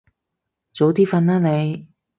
早啲瞓啦你